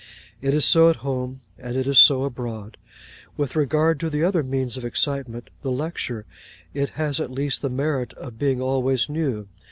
It is so at home, and it is so abroad. With regard to the other means of excitement, the Lecture, it has at least the merit of being always new.